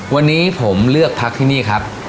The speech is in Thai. วันนี้ผมเลือกพักที่นี่ครับ